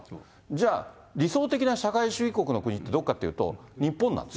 じゃあ、理想的な社会主義の国ってどこかっていうと、日本なんです。